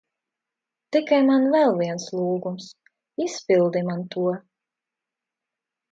Tikai man vēl viens lūgums. Izpildi man to.